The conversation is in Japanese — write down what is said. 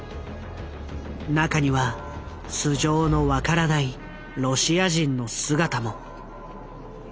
中には素性の分からないロシア人の姿も。